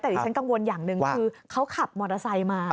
แต่ดิฉันกังวลอย่างหนึ่งคือเขาขับมอเตอร์ไซค์มา